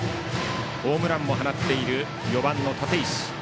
ホームランも放っている４番、立石。